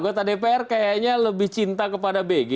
anggota dpr kayaknya lebih cinta kepada bg